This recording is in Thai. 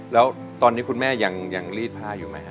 แล้วตอนนี้คุณแม่ยังรีดผ้าอยู่ไหมฮ